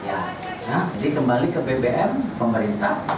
jadi kembali ke bbm pemerintah